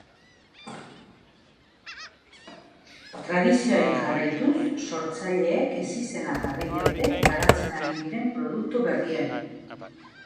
Tradizioari jarraituz, sortzaileek ezizena jarri diote garatzen ari diren produktu berriari.